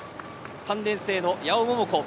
３年生の矢尾桃子。